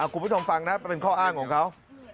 กุมพิธีฐรมฟังนะเป็นข้ออ้างของเขา